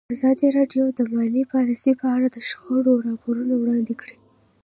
ازادي راډیو د مالي پالیسي په اړه د شخړو راپورونه وړاندې کړي.